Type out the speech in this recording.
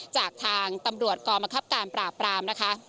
จากทางตำรวจกองมะครับการปราบปราม